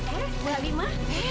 eh bu halima